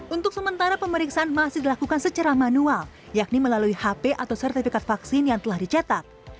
untuk sementara pemeriksaan masih dilakukan secara manual yakni melalui hp atau sertifikat vaksin yang telah dicetak